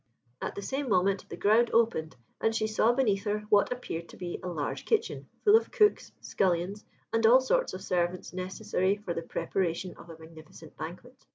At the same moment the ground opened, and she saw beneath her what appeared to be a large kitchen, full of cooks, scullions, and all sorts of servants necessary for the preparation of a magnificent banquet.